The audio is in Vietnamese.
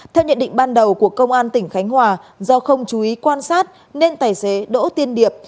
theo nhận định ban đầu của công an tỉnh khánh hòa do không chú ý quan sát nên tài xế đỗ tiên điệp